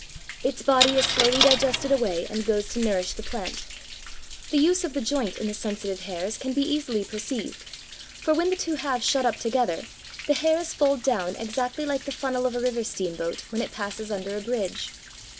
Its body is slowly digested away and goes to nourish the plant. The use of the joint in the sensitive hairs can be easily perceived, for when the two halves shut up together, the hairs fold down exactly like the funnel of a river steamboat when it passes under a bridge.